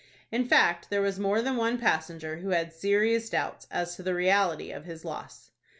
In fact, there was more than one passenger who had serious doubts as to the reality of his loss.